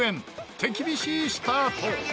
手厳しいスタート。